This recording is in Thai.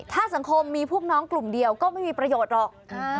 ถ้าสังคมมีพวกน้องกลุ่มเดียวก็ไม่มีประโยชน์หรอก